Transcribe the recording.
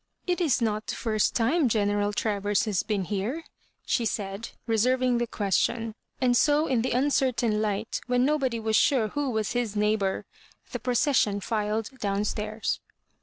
" It is not the first time General Travers has been here, she said, reserv ing the question ; and so in the uncertain light, when nobody was sure who was his neighbour, the procession filed down stairs.